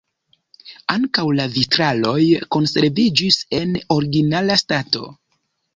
Ankaŭ la vitraloj konserviĝis en originala stato.